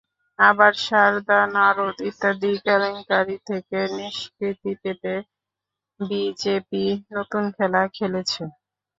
আবার সারদা, নারদ ইত্যাদি কেলেঙ্কারি থেকে নিষ্কৃতি পেতে বিজেপি নতুন খেলা খেলেছে।